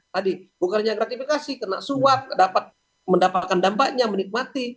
tadi bukan hanya gratifikasi kena suap mendapatkan dampaknya menikmati